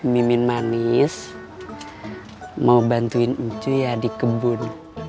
mimin manis mau bantuin ucu ya di kebun